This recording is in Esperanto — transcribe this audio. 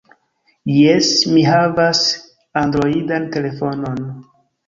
Jes, mi havas Androidan telefonon.